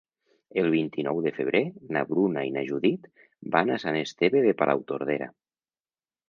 El vint-i-nou de febrer na Bruna i na Judit van a Sant Esteve de Palautordera.